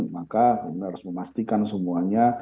maka harus memastikan semuanya